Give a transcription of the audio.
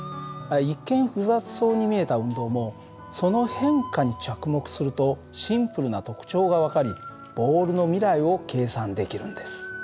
一見複雑そうに見えた運動もその変化に着目するとシンプルな特徴が分かりボールの未来を計算できるんです。